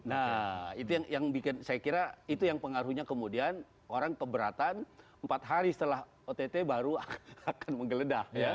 nah itu yang bikin saya kira itu yang pengaruhnya kemudian orang keberatan empat hari setelah ott baru akan menggeledah